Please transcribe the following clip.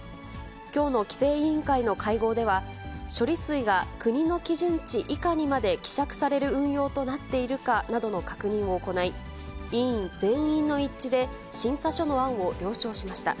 きょうの規制委員会の会合では、処理水が国の基準値以下にまで希釈される運用となっているかなどの確認を行い、委員全員の一致で、審査書の案を了承しました。